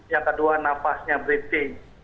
yang kedua nafasnya breathing